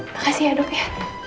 makasih ya dok ya